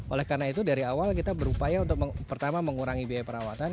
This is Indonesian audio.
oleh karena itu dari awal kita berupaya untuk pertama mengurangi biaya perawatan